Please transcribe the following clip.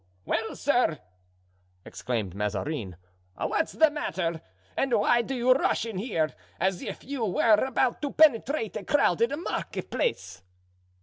"Well, sir," exclaimed Mazarin, "what's the matter? and why do you rush in here, as if you were about to penetrate a crowded market place?"